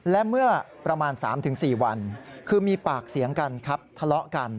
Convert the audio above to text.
และเมื่อประมาณ๓๔วันคือมีปากเสียงกันครับทะเลาะกัน